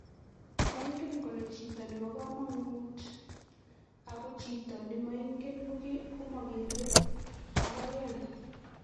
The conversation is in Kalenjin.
maingen kole bo kamanuut ago chito nemaingen komageere akoyaan